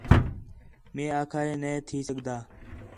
مئے آکھا ہِے نَے تھی سڳدا